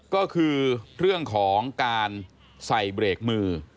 ก็คือเรื่องของการใส่เบรกมือ